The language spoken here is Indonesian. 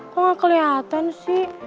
kok gak kelihatan sih